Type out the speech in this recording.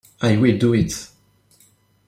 I will do it.